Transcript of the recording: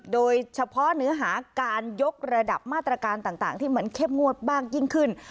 โดยเฉพาะเนื้อหาการยกระดับมาตรการต่างที่มันเข้มงวดมากยิ่งขึ้น